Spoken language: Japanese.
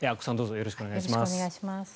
よろしくお願いします。